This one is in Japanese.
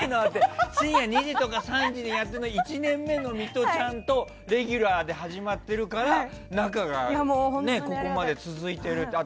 深夜２時とか３時にやっているのを１年目のミトちゃんとレギュラーで始まってるから仲がここまで続いているという。